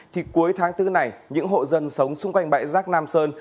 thì cuối tháng bốn này những hộ dân sống xung quanh bãi rác này sẽ được xử lý